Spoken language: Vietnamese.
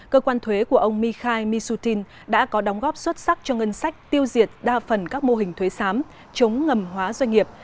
cơ quan thuế của ông mikhail misustin đã có đóng góp xuất sắc cho ngân sách tiêu diệt đa phần các mô hình thuế sám chống ngầm hóa doanh nghiệp